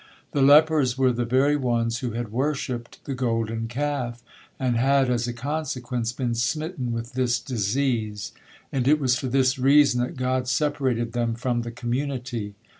The lepers were the very ones who had worshipped the Golden Calf, and had as a consequence been smitten with this disease, and it was for this reason that God separated them from the community.